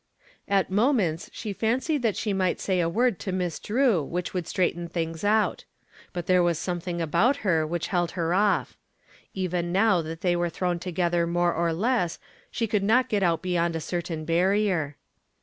At moments she fancied that she might say a word to Miss Drew which would straighten things out. But there was something about her which held her off. Even now that they were thrown together more or less she could not get beyond a certain barrier.